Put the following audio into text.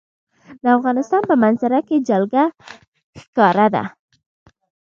د افغانستان په منظره کې جلګه ښکاره ده.